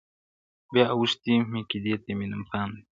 بیا اوښتی میکدې ته مي نن پام دی,